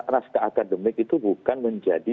naskah akademik itu bukan menjadi